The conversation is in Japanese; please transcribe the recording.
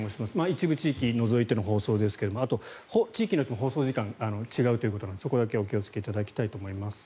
一部地域を除いての放送ですがあと、地域によっても放送時間が違うということなのでそこだけお気をつけいただきたいと思います。